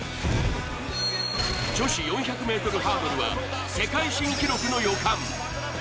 女子４００ｍハードルは世界新記録の予感。